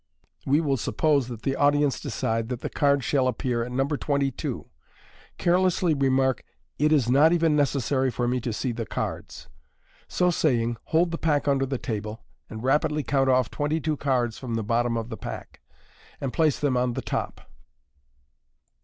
We will suppose that the audience decide that the card shall appear at number 22. Carelessly remark, " It is not even necessary for me to see the cards." So saying, hold the pack under the table, and rapidly count off twenty two cards from the bottom of the pack, and place them on the top.